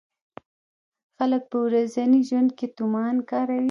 خلک په ورځني ژوند کې تومان کاروي.